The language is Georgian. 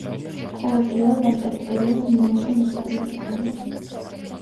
ყოველწლიურად ამ ტერიტორიას მილიონზე მეტი ტურისტი სტუმრობს.